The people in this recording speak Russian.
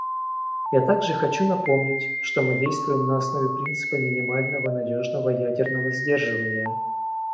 Я также хочу напомнить, что мы действуем на основе принципа минимального надежного ядерного сдерживания.